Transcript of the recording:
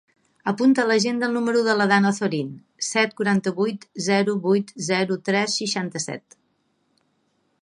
Apunta a l'agenda el número de la Dana Azorin: set, quaranta-vuit, zero, vuit, zero, tres, seixanta-set.